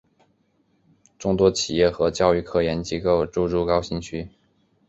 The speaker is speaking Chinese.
众多企业和教育科研机构入驻高新区。